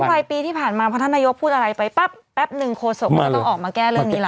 แต่ส่วนไว้ปีที่ผ่านมาพอท่านนายกพูดอะไรไปแป๊บหนึ่งโคศกจะต้องออกมาแก้เรื่องนี้ละ